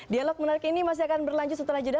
dialog menarik ini masih akan berlanjut setelah jeda